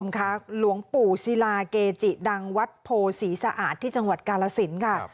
ค่ะหลวงปู่ศิลาเกจิดังวัดโพศรีสะอาดที่จังหวัดกาลสินค่ะ